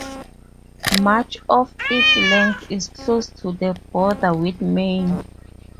Much of its length is close to the border with Maine.